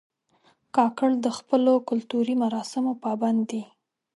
کاکړ د خپلو کلتوري مراسمو پابند دي.